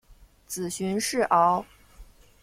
子荀逝敖。